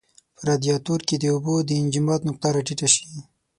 په رادیاتور کې د اوبو د انجماد نقطه را ټیټه شي.